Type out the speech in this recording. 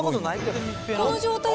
この状態で。